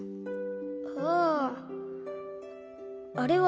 あああれは。